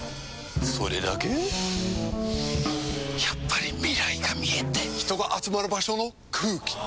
やっぱり未来が見えて人が集まる場所の空気！